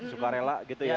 suka rela gitu ya